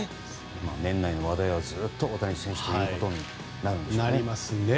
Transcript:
年内の話題はずっと大谷選手となるでしょうね。